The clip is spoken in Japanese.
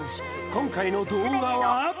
今回の動画は？